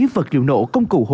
vật liệu nổ công tác đặc biệt